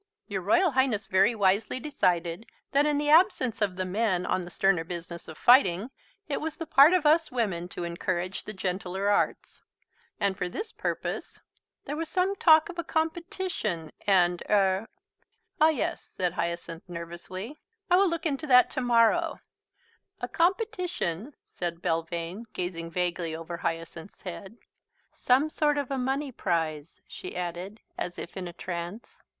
Your Royal Highness very wisely decided that in the absence of the men on the sterner business of fighting it was the part of us women to encourage the gentler arts; and for this purpose ... there was some talk of a competition, and er " "Ah, yes," said Hyacinth nervously. "I will look into that to morrow." "A competition," said Belvane, gazing vaguely over Hyacinth's head. "Some sort of a money prize," she added, as if in a trance.